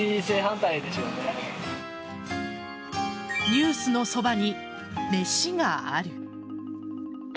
「ニュースのそばに、めしがある。」